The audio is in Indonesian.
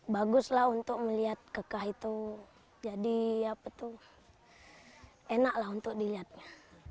baguslah untuk melihat kekah itu jadi enak lah untuk dilihatnya